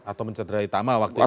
atau mencederai tama waktu itu